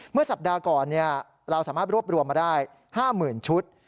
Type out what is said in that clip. เมื่อสัปดาห์ก่อนเราสามารถรวบรวมมาได้๕๐๐๐ชุด